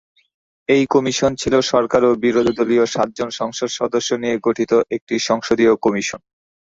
এই কমিশন ছিল সরকার ও বিরোধীদলীয় সাতজন সংসদ সদস্য নিয়ে গঠিত একটি সংসদীয় কমিশন।